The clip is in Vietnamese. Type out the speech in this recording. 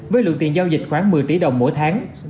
với lượng tiền giao dịch khoảng một mươi tỷ đồng mỗi tháng